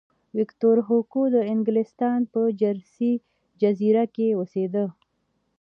ویکتور هوګو د انګلستان په جرسي جزیره کې اوسېده.